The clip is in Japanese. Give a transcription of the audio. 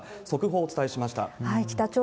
速報をお伝えしました。